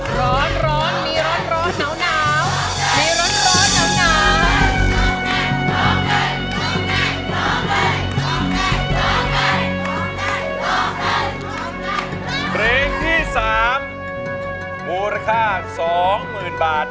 ร้องได้ร้องได้ร้องได้